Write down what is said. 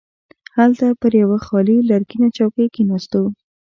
هلته پر یوه خالي لرګینه چوکۍ کښیناستو.